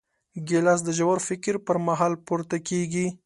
ګیلاس د ژور فکر پر مهال پورته کېږي.